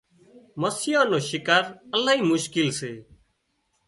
مسيان نوشڪار الاهي مشڪل سي